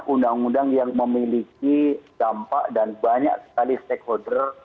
undang undang yang memiliki dampak dan banyak sekali stakeholder